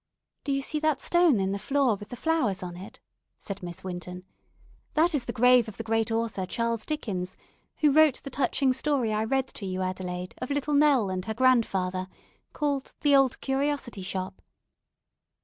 "Do you see that stone in the floor with the flowers on it?" said Miss Winton; "that is the grave of the great author, Charles Dickens, who wrote the touching story I read to you, Adelaide, of 'Little Nell' and her grandfather, called 'The Old Curiosity Shop.'